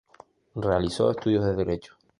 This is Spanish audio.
Realizó estudios de derecho.